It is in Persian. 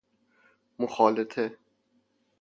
مخالطه